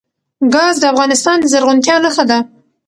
ګاز د افغانستان د زرغونتیا نښه ده.